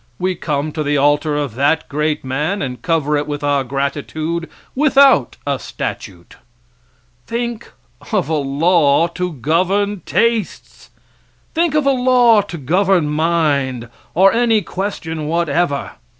We come to the altar of that great man and cover it with our gratitude without a statute. Think of a law to govern tastes! Think of a law to govern mind, or any question whatever!